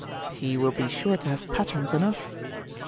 He will be sure to have patterns enough.